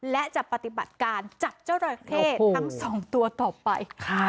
และจะปฏิบัติการจับเจ้าจราเข้ทั้งสองตัวต่อไปค่ะ